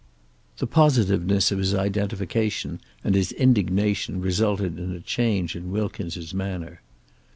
The positiveness of his identification and his indignation resulted in a change in Wilkins' manner.